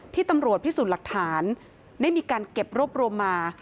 ที่ตำรวจพิสูจน์หลักฐานได้มีการเก็บรวบรวมมา